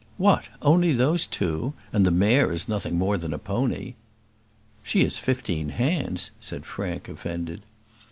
"What! only those two? and the mare is nothing more than a pony." "She is fifteen hands," said Frank, offended.